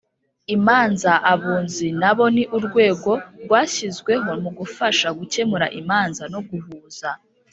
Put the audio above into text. imanza Abunzi nabo ni urwego rwashyizweho mu gufasha gukemura imanza no guhuza